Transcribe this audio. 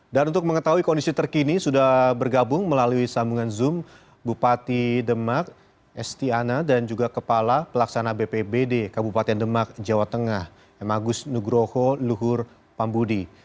dan untuk mengetahui kondisi terkini sudah bergabung melalui sambungan zoom bupati demak estiana dan juga kepala pelaksana bpbd kabupaten demak jawa tengah m agus nugroho luhur pambudi